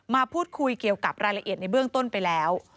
มาพูดคุยเกี่ยวกับรายละเอียดในเบื้องต้นไปแล้ว